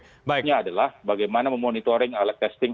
sebenarnya adalah bagaimana memonitoring alat testing